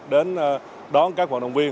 đến đón các vận động viên